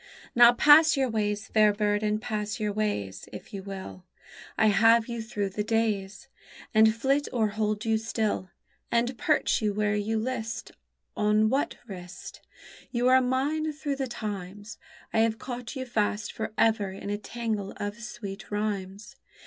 _Now pass your ways, fair bird, and pass your ways, If you will; I have you through the days. And flit or hold you still, And perch you where you list On what wrist, You are mine through the times. I have caught you fast for ever in a tangle of sweet rhymes.